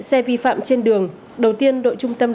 xe vi phạm trên đường đầu tiên đội trung tâm